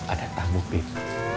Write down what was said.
ada tamu bib